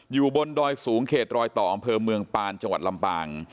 อยู่บนดอยสูงเขตรอยต่ออำเภอเมืองปานจังหวัดลำปาง